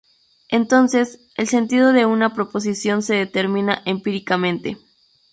Entonces: el sentido de una proposición se determina empíricamente.